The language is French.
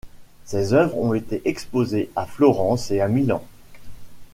Ses œuvres ont été exposées à Florence et à Milan.